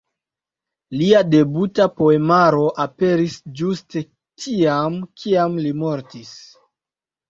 Lia debuta poemaro aperis ĝuste tiam, kiam li mortis.